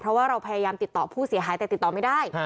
เพราะว่าเราพยายามติดต่อผู้เสียหายแต่ติดต่อไม่ได้